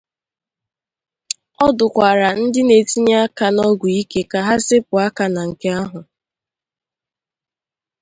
Ọ dụkwara ndị na-etinye aka n'ọgwụike ka ha sepu aka na nke ahụ